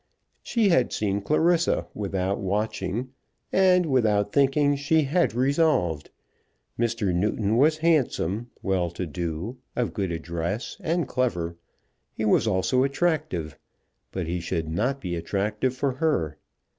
She had seen Clarissa without watching, and, without thinking, she had resolved. Mr. Newton was handsome, well to do, of good address, and clever; he was also attractive; but he should not be attractive for her.